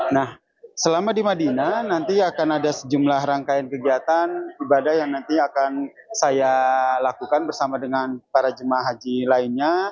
nah selama di madinah nanti akan ada sejumlah rangkaian kegiatan ibadah yang nantinya akan saya lakukan bersama dengan para jemaah haji lainnya